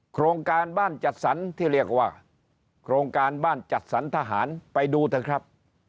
โครงการบ้านจัดสรรที่เรียกว่าโครงการบ้านจัดสรรทหารไปดูเถอะครับ